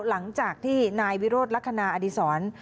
หลังจากที่นายวิโรธลักษณะอดีศร